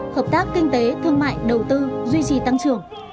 hợp tác kinh tế thương mại đầu tư duy trì tăng trưởng